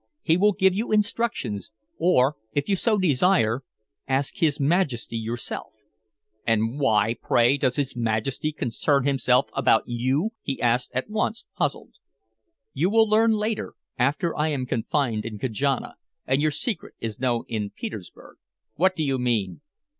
"He will give you instructions or, if you so desire, ask his Majesty yourself." "And why, pray, does his Majesty concern himself about you?" he asked, at once puzzled. "You will learn later, after I am confined in Kajana and your secret is known in Petersburg." "What do you mean?"